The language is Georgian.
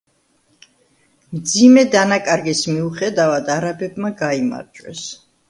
მძიმე დანაკარგის მიუხედავად არაბებმა გაიმარჯვეს.